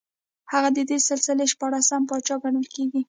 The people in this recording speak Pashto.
هغه د دې سلسلې شپاړسم پاچا ګڼل کېږي